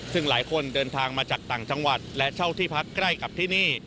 ซึ่งหลายคนเดินทางมาจากต่างจังหวัดและเช่าที่พักใกล้กับที่นี่